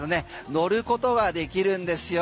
乗ることができるんですよ。